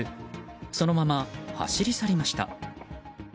そのまま走り去りました。